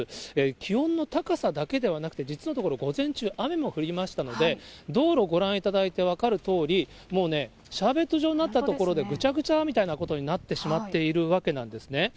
気温の高さだけではなくて、実のところ、午前中、雨も降りましたので、道路ご覧いただいて分かるとおり、もうね、シャーベット状になったところでぐちゃぐちゃみたいなことになってしまっているわけなんですね。